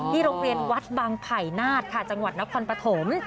โรงเรียนวัดบางไผ่นาฏค่ะจังหวัดนครปฐม